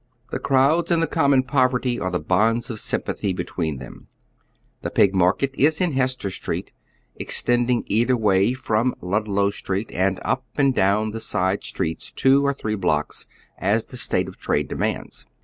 The crowds and the common poverty are the bonds of sympathy between them. The Pig mar ket is in Hester Street, extending either way from Lud low Street, and up and down the side streets two or three blocks, as the state of trade demands.